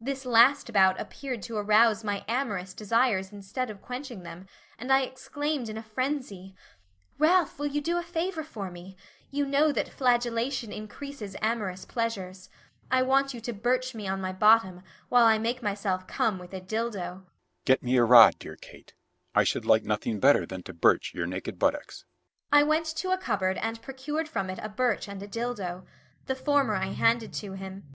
This last bout appeared to arouse my amorous desires instead of quenching them, and I exclaimed in a frenzy: "Ralph will you do a favor for me you know that flagellation increases amorous pleasures. I want you to birch me on my bottom, while I make myself come with a dildo." "Get me a rod, dear Kate, I should like nothing better than to birch your naked buttocks." I went to a cupboard and procured from it a birch and a dildo the former I handed to him.